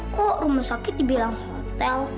kok rumah sakit dibilang hotel